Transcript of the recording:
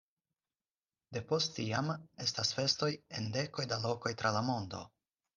Depost tiam estas festoj en dekoj da lokoj tra la mondo.